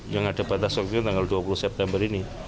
yang ada bataskan sampai tanggal dua puluh september ini